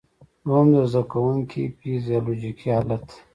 دوهم د زده کوونکي فزیالوجیکي حالت دی.